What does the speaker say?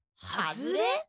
はずれ？